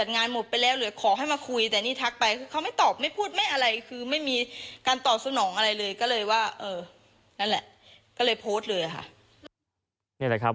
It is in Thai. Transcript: นั่นแหละก็เลยโพสต์เลยอะคะ